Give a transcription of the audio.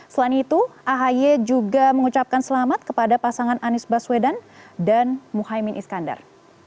selain itu ahy juga mengucapkan selamat kepada pasangan anies baswedan dan muhaymin iskandar